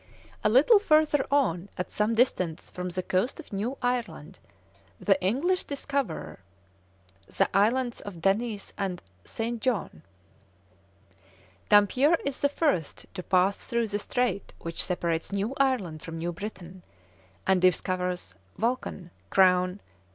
A little further on, at some distance from the coast of New Ireland, the English discover the Islands of Denis and St. John. Dampier is the first to pass through the strait which separates New Ireland from New Britain, and discovers Vulcan, Crown, G.